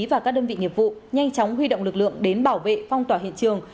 và các đơn vị nghiệp vụ nhanh chóng huy động lực lượng đến bảo vệ phong tỏa hiện trường